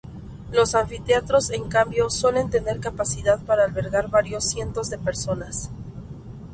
Los anfiteatros en cambio suelen tener capacidad para albergar varios cientos de personas.